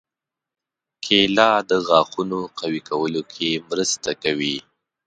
کېله د غاښونو قوي کولو کې مرسته کوي.